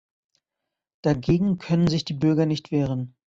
Dagegen können sich die Bürger nicht wehren.